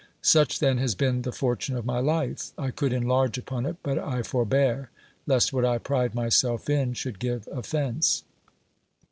Such then has been the fortune of my life: I could enlarge upon it, but I for bear, lest what I pride myself in should give offense.